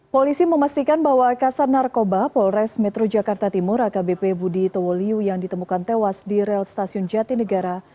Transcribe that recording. polisi memastikan bahwa kasar narkoba polres metro jakarta timur akbp budi towoliu yang ditemukan tewas di rel stasiun jatinegara